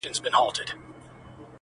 مخ ګلاب لېمه نرګس زلفي سنبل سوې-